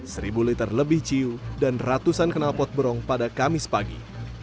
seribu liter lebih ciu dan ratusan kenal pot berong pada kamis pagi